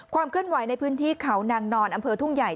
เคลื่อนไหวในพื้นที่เขานางนอนอำเภอทุ่งใหญ่